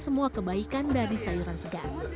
semua kebaikan dari sayuran segar